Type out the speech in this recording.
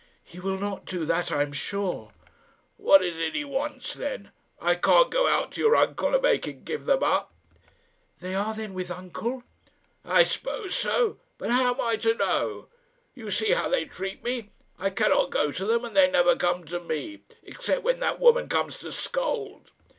"He will not do that, I am sure." "What is it he wants, then? I can't go out to your uncle and make him give them up." "They are, then, with uncle?" "I suppose so; but how am I to know? You see how they treat me. I cannot go to them, and they never come to me except when that woman comes to scold."